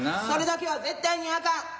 それだけは絶対にあかん。